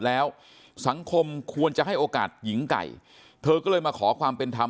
แล้วสังคมควรจะให้โอกาสหญิงไก่เธอก็เลยมาขอความเป็นธรรม